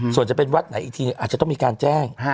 ส่วนจะเป็นวัดไหนอีกทีหนึ่งอาจจะต้องมีการแจ้ง